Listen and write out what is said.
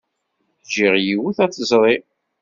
Jjiɣ yiwet ad tezri.